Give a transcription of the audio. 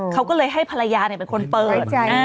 เขาก็เลยให้ภรรยาเนี่ยเป็นคนเปิด